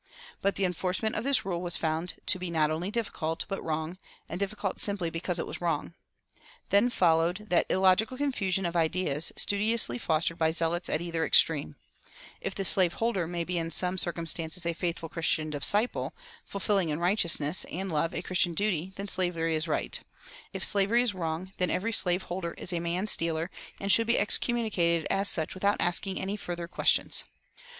But the enforcement of this rule was found to be not only difficult, but wrong, and difficult simply because it was wrong. Then followed that illogical confusion of ideas studiously fostered by zealots at either extreme: If the slave holder may be in some circumstances a faithful Christian disciple, fulfilling in righteousness and love a Christian duty, then slavery is right; if slavery is wrong, then every slave holder is a manstealer, and should be excommunicated as such without asking any further questions.